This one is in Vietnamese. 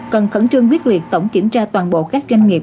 cần khẩn trương quyết liệt tổng kiểm tra toàn bộ các doanh nghiệp